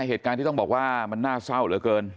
เหตุการณ์ที่ต้องบอกว่ามันน่าเศร้าเหลือเกิน